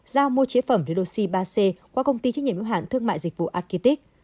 giao mua chế phẩm redoxy ba c qua công ty trách nhiệm hiệu hạn thương mại dịch vụ architect